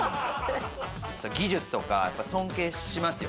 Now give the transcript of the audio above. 技術とか、やっぱ尊敬しますよ。